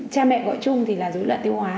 cha mẹ gọi chung thì là dối loạn tiêu hóa